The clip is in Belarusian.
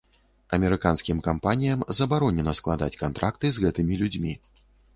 Амерыканскім кампаніям забаронена складаць кантракты з гэтымі людзьмі.